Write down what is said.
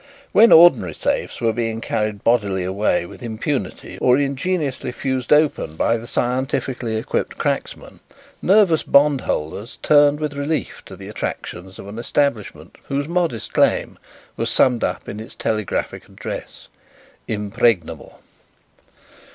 When ordinary safes were being carried bodily away with impunity or ingeniously fused open by the scientifically equipped cracksman, nervous bond holders turned with relief to the attractions of an establishment whose modest claim was summed up in its telegraphic address: "Impregnable."